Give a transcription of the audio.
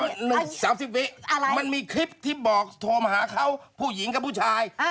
หนึ่ง๓๐วิมันมีคลิปที่บอกโทรมาหาเขาผู้หญิงกับผู้ชาย